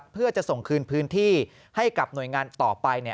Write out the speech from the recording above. เพื่อจะส่งคืนพื้นที่ให้กับหน่วยงานต่อไป